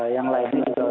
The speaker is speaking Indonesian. yang lainnya juga